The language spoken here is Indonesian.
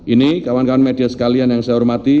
ini kawan kawan media sekalian yang saya hormati